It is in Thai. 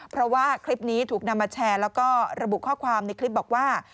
เพราะว่าคลิปนี้ถูกนำมาแชร์แล้วก็ระบุข้อความในคลิปบอกว่า